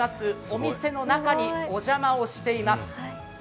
お店の中にお邪魔をしています。